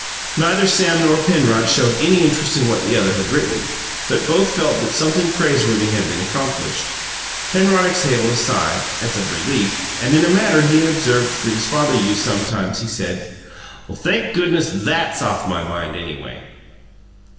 Neither Sam nor Penrod showed any interest in what the other had written; but both felt that something praiseworthy had been accomplished. Penrod exhaled a sigh, as of relief, and, in a manner he had observed his father use sometimes, he said: "Thank goodness, THAT'S off my mind, anyway!"